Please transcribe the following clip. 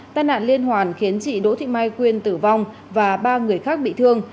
tai nạn liên hoàn khiến chị đỗ thị mai quyên tử vong và ba người khác bị thương